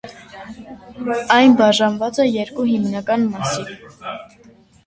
Այն բաժանված է երկու հիմնական մասի։